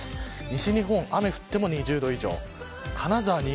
西日本、雨が降っても２０度以上。